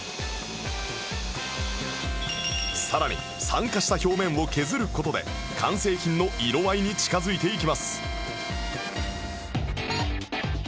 さらに酸化した表面を削る事で完成品の色合いに近づいていきます